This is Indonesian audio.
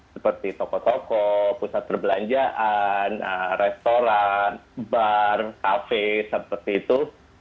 seperti toko toko pusat perbelanjaan restoran bar cafe seperti itu